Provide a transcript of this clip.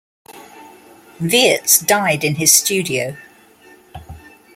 Wiertz died in his studio.